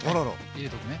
入れとくね。